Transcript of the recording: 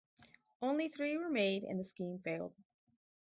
Only three were made and the scheme failed.